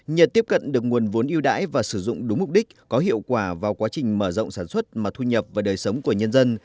nhờ tiếp cận được nguồn vốn yêu đãi và sử dụng đúng mục đích có hiệu quả vào quá trình mở rộng sản xuất mà thu nhập và đời sống của nhân dân